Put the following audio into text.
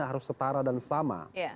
harus setara dan sama